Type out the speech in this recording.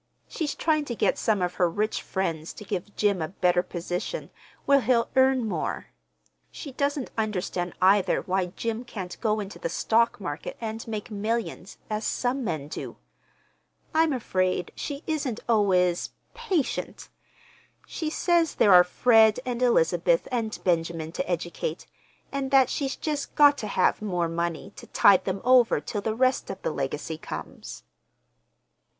She's trying to get some of her rich friends to give Jim a better position, where he'll earn more. She doesn't understand, either, why Jim can't go into the stock market and make millions, as some men do. I'm afraid she isn't always—patient. She says there are Fred and Elizabeth and Benjamin to educate, and that she's just got to have more money to tide them over till the rest of the legacy comes."